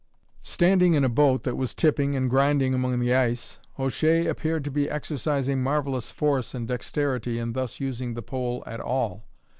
Standing in a boat that was tipping and grinding among the ice, O'Shea appeared to be exercising marvellous force and dexterity in thus using the pole at all.